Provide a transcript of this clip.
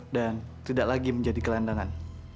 dan tidak lagi menjadi kelendangan